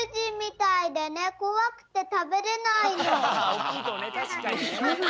おっきいとねたしかにね。